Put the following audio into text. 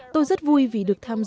tôi rất vui vì được tham dự lễ hội này